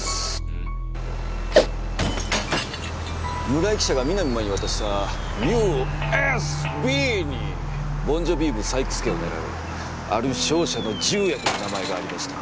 村井記者が南真衣に渡したＵＳＢにボンジョビウム採掘権を狙うある商社の重役の名前がありました。